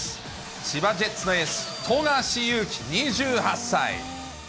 千葉ジェッツのエース、富樫勇樹２８歳。